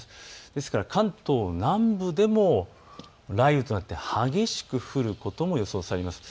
ですから関東南部でも雷雨となって激しく降ることも予想されます。